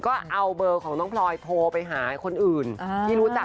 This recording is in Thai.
ก็เอาเบอร์ของน้องพลอยโทรไปหาคนอื่นที่รู้จัก